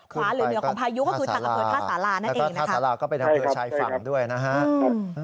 ขวาหรือเหนือของพายุก็คือทางกระเป๋าท่าสารานั่นเองนะครับครับใช่ครับแล้วก็ท่าสาราก็เป็นทางกระเป๋าชายฝั่งด้วยนะฮะ